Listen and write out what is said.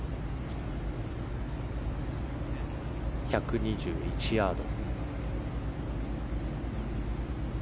１２１ヤード。